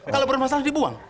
kalau berpasaran dibuang